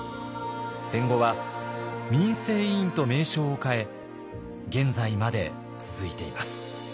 戦後は民生委員と名称を変え現在まで続いています。